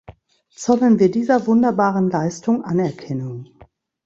Zollen wir dieser wunderbaren Leistung Anerkennung.